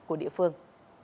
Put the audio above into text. của địa phương